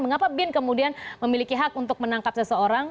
mengapa bin kemudian memiliki hak untuk menangkap seseorang